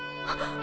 あっ。